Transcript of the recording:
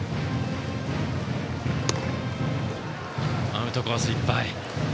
アウトコースいっぱい。